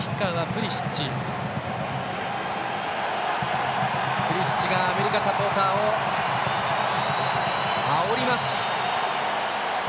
プリシッチがアメリカサポーターをあおります。